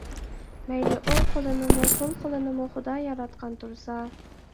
مەيلى ئوڭ قولىنىمۇ، سول قولنىمۇ خۇدا ياراتقان تۇرسا.